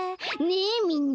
ねえみんな。